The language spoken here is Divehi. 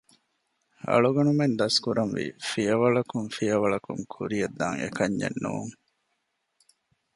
އަޅުގަނޑުމެން ދަސްކުރާންވީ ފިޔަވަޅަކުން ފިޔަވަޅަކުން ކުރިޔަށްދާން އެކަންޏެއް ނޫން